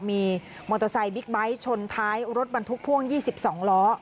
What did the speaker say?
มีมอเตอร์ไซค์บิ๊กไบท์ชนท้ายรถบรรทุกพ่วง๒๒ล้อ